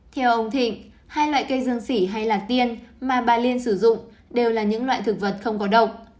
theo ông thịnh hai loại cây dương sỉ hay lạc tiên mà bà liên sử dụng đều là những loại thực vật không có độc